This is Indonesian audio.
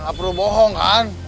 nggak perlu bohong kan